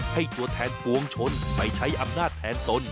ตัวแทนปวงชนไปใช้อำนาจแทนตน